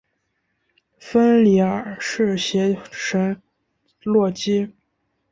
芬里尔是邪神洛基。